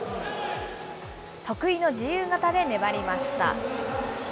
得意の自由形で粘りました。